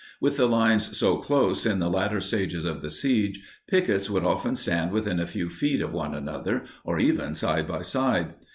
With the lines so close in the latter stages of the siege, pickets would often stand within a few feet of one another, or even side by side.